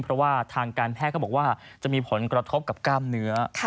เพราะว่าทางการแพทย์ก็บอกว่าจะมีผลกระทบกับกล้ามเนื้อ